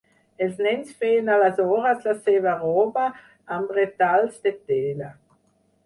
Els nens feien aleshores la seva roba amb retalls de tela.